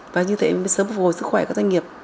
và như thế mới sớm phục hồi sức khỏe các doanh nghiệp